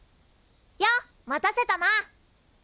よっ待たせたな。